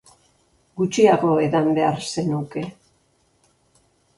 Gutxiago edan behar zenuke.